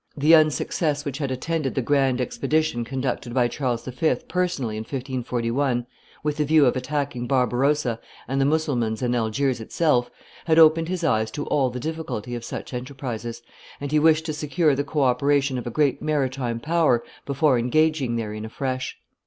The unsuccess which had attended the grand expedition conducted by Charles V. personally in 1541, with the view of attacking Barbarossa and the Mussulmans in Algiers itself, had opened his eyes to all the difficulty of such enterprises, and he wished to secure the co operation of a great maritime power before engaging therein afresh.